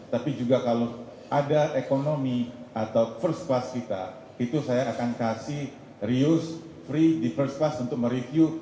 tapi juga kalau ada ekonomi atau first class kita itu saya akan kasih reuse free di first class untuk mereview